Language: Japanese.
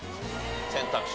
選択肢